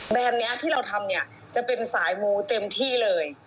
แบบนี้ที่เราทำเนี่ยจะเป็นสายมูเต็มที่เลย